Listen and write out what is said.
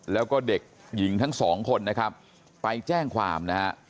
แล้วก็เด็กหญิงทั้งสองคนนะครับไปแจ้งความนะฮะ